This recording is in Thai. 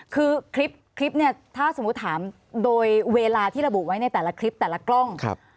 คือคลิปเนี่ยถ้าสมมุติถามโดยเวลาที่ระบุไว้ในแต่ละคลิปแต่ละกล้อง